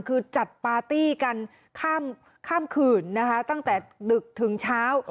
คือจัดปาร์ตี้กันข้ามคืนนะคะตั้งแต่ดึกถึงเช้า